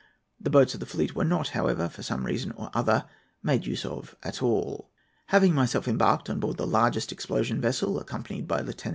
The boats of the fleet were not, however, for some reason or other made use of at all. "Having myself embarked on board the largest explosion vessel, accompanied by Lieut.